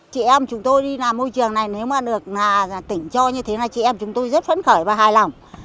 chị em chúng tôi đi làm môi trường này nếu mà được tỉnh cho như thế là chị em chúng tôi rất phấn khởi và hài lòng